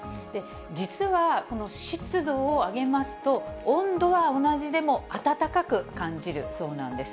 実はこの湿度を上げますと、温度は同じでも、暖かく感じるそうなんです。